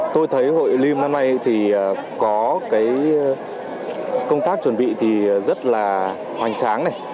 tôi thấy hội liêm năm nay thì có cái công tác chuẩn bị thì rất là hoành tráng này